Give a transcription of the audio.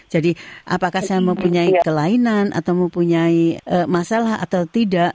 jadi apakah saya mempunyai kelainan atau mempunyai masalah atau tidak